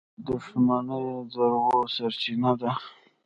• دښمني د دروغو سرچینه ده.